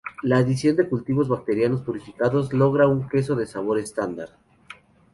La adición de cultivos bacterianos purificados logra un queso de sabor estándar.